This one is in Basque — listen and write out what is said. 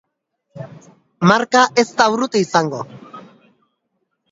Marka ezta urruti izango!